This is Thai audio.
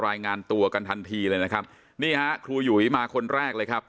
รายงานตัวกันทันทีเลยนะครับนี่ฮะครูหยุยมาคนแรกเลยครับ